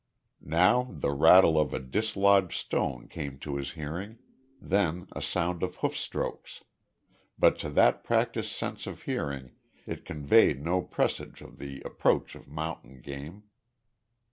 Now the rattle of a dislodged stone came to his hearing, then a sound of hoof strokes, but to that practised sense of hearing it conveyed no presage of the approach of mountain game.